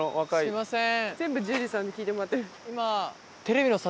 すいません。